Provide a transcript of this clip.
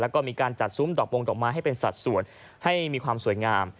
แล้วก็มีการจัดซุ้มดอกมงดอกไม้ให้เป็นสัดส่วนให้มีความสวยงาม